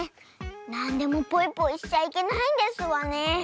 なんでもポイポイしちゃいけないんですわね。